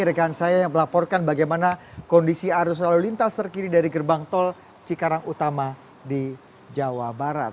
rekan saya yang melaporkan bagaimana kondisi arus lalu lintas terkini dari gerbang tol cikarang utama di jawa barat